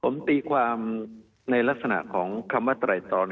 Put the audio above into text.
ผมตีความในลักษณะของคำว่าไตรตอน